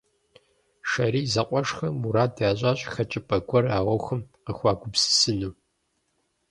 Шэрий зэкъуэшхэм мурад ящӏащ хэкӏыпӏэ гуэр а ӏуэхум къыхуагупсысыну.